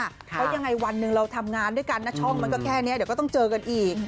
เพราะยังไงวันหนึ่งเราทำงานด้วยกันนะช่องมันก็แค่นี้เดี๋ยวก็ต้องเจอกันอีก